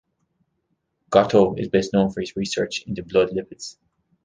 Gotto is best known for his research into blood lipids.